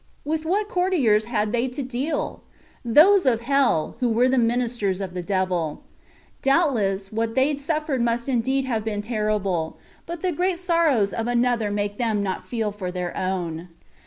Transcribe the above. With what courtiers had they to deal ? Those of hell, who were the ministers of the devil. Doubt less, what they suffered must indeed have been terrible; but the great sorrows of another make 128 THE WAY OF PERFECTION. them uot feel for their own.